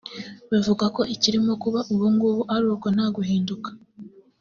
Bivugwa ko ikirimo kuba ubungubu ari uko nta guhinduka